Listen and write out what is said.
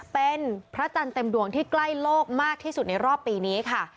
เป็นพระจันทร์เต็มดวงที่ใกล้โลกมากที่สุดในรอบปีนี้ค่ะ